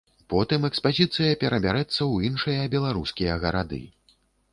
Потым экспазіцыя перабярэцца ў іншыя беларускія гарады.